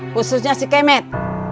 khususnya si kemet